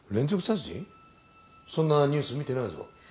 そんなニュース見てないぞ。